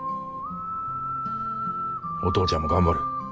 お父ちゃんも頑張る。